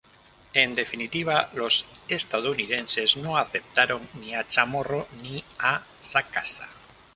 En definitiva los estadounidenses no aceptaron ni a Chamorro ni a Sacasa.